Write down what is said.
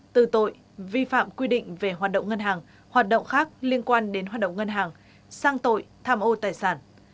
từ tội vi phạm quy định về hoạt động ngân hàng hoạt động khác liên quan đến hoạt động ngân hàng sang tội tham ô tài sản